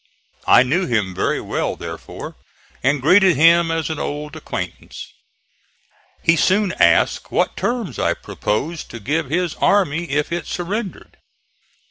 I knew him very well therefore, and greeted him as an old acquaintance. He soon asked what terms I proposed to give his army if it surrendered.